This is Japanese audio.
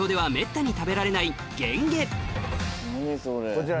こちら。